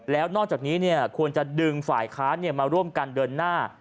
แล้วนอกจากนี้ควรจะดึงฝ่ายค้านมาร่วมกันเดินหน้า